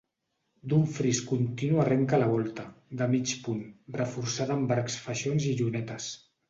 D'un fris continu arrenca la volta, de mig punt, reforçada amb arcs faixons i llunetes.